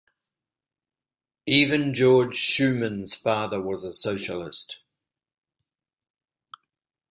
Even Georg Schumann's father was a socialist.